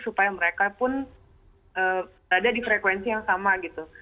supaya mereka pun berada di frekuensi yang sama gitu